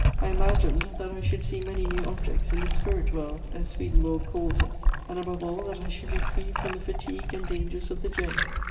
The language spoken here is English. I imagined that I should see many new objects in the 'spirit world,' as Swedenborg calls it, and above all that I should be free from the fatigue and dangers of the journey."